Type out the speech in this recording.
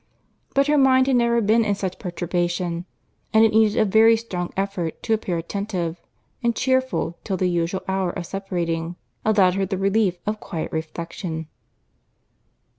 —But her mind had never been in such perturbation; and it needed a very strong effort to appear attentive and cheerful till the usual hour of separating allowed her the relief of quiet reflection.